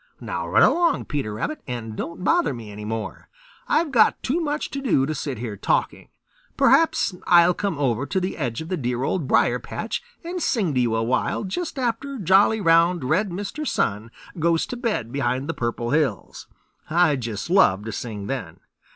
Now run along, Peter Rabbit, and don't bother me any more. I've got too much to do to sit here talking. Perhaps I'll come over to the edge of the dear Old Briar patch and sing to you a while just after jolly, round, red Mr. Sun goes to bed behind the Purple Hills. I just love to sing then."